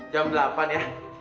jam delapan ya